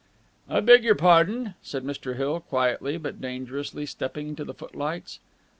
"I beg your pardon?" said Mr. Hill, quietly but dangerously, stepping to the footlights.